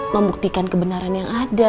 membuktikan kebenaran yang ada